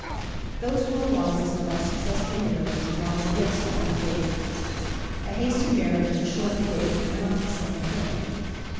Those who are wisest about successful marriages advise against long engagements. A hasty marriage and a short engagement are not the same thing.